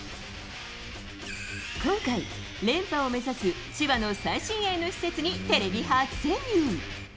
今回、連覇を目指す千葉の最新鋭の施設にテレビ初潜入。